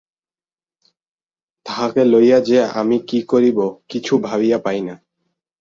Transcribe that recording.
তাহাকে লইয়া যে আমি কী করিব কিছু ভাবিয়া পাই না।